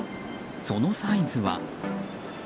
そのサイズは。